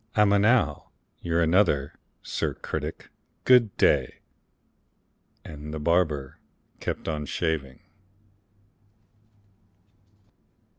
I'm an owl; you're another. Sir Critic, good day!" And the barber kept on shaving.